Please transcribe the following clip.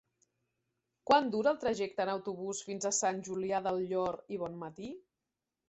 Quant dura el trajecte en autobús fins a Sant Julià del Llor i Bonmatí?